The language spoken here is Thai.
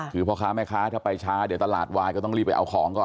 คือพ่อค้าแม่ค้าถ้าไปช้าเดี๋ยวตลาดวายก็ต้องรีบไปเอาของก่อน